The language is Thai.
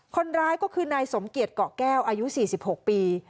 คนร้ายก็คือนายสมเกียจเกาะแก้วอายุ๔๖ปี